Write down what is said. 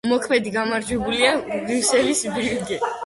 მოქმედი გამარჯვებულია ბრიუსელის „ბრიუგე“.